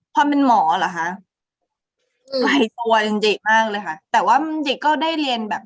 เป็นหมอเหรอคะไกลตัวจริงเด็กมากเลยค่ะแต่ว่าเด็กก็ได้เรียนแบบ